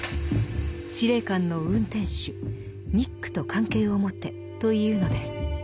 司令官の運転手ニックと関係を持てというのです。